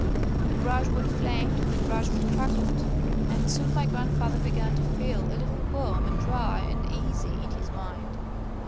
The brushwood flamed, and the brushwood crackled, and soon my grandfather began to feel a little warm and dry and easy in his mind.